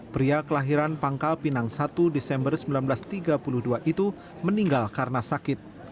pria kelahiran pangkal pinang satu desember seribu sembilan ratus tiga puluh dua itu meninggal karena sakit